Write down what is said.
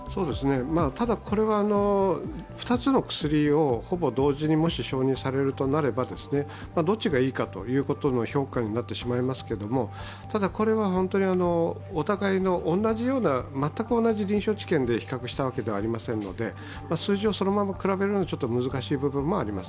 ただ、これは２つの薬をほぼ同時にもし承認されるとなればどっちがいいかということの評価になってしまいますけれども、ただ、お互いの全く同じ臨床治験で比較したわけではありませんので数字をそのまま比べるのは難しい部分があります。